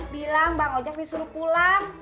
bilang bang ojek disuruh pulang